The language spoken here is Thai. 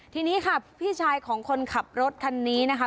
ทีนี้ค่ะพี่ชายของคนขับรถคันนี้นะคะ